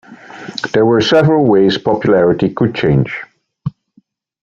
There were several ways Popularity could change.